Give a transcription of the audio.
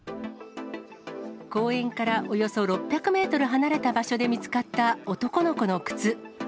公園からおよそ６００メートル離れた場所で見つかった男の子の靴。